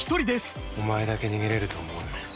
お前だけ逃げれると思うなよ。